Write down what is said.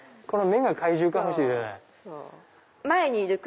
この目が怪獣かもしれない。